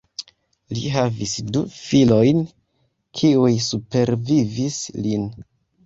Li havis du filojn kiuj supervivis lin.